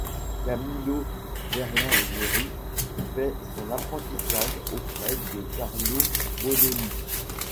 Camillo Berlinghieri fait son apprentissage auprès de Carlo Bononi.